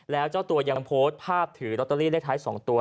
แล้วเจ้าตัวยังโพสต์ภาพถือลอตเตอรี่เลขท้าย๒ตัว